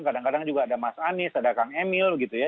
kadang kadang juga ada mas anies ada kang emil gitu ya